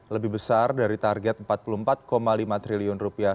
lebih besar dari target rp empat puluh empat lima triliun rupiah